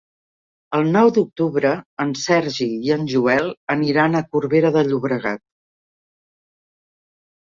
El nou d'octubre en Sergi i en Joel aniran a Corbera de Llobregat.